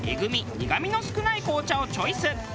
苦みの少ない紅茶をチョイス。